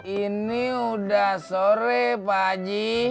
ini sudah sore pak haji